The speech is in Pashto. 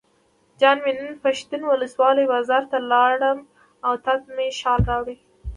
جان مې نن پښتین ولسوالۍ بازار ته لاړم او تاته مې شال راوړل.